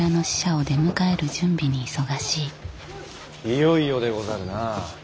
いよいよでござるな。